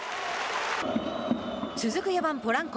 続く４番ポランコ。